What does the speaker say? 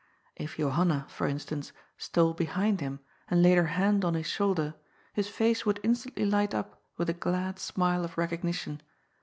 If Jo hanna, for instance, stole behind him and laid her hand on his shoulder, his face would instantly light up with a glad smile of recognition.